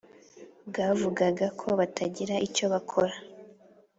Bwavugaga ko kutagira icyo bukora